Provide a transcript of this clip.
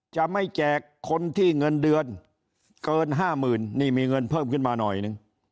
จะไม่แจกคนที่เงินเดือนเกิน๕๐๐๐นี่มีเงินเพิ่มขึ้นมาหน่อยนึง